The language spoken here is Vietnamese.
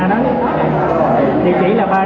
địa chỉ là ba trăm sáu mươi một một mươi bốn hai mươi bảy b